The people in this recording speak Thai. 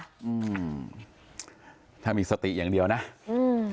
อืมถ้ามีสติอย่างเดียวนะอืม